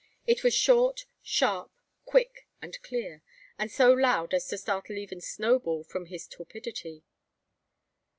It was short, sharp, quick, and clear; and so loud as to startle even Snowball from his torpidity.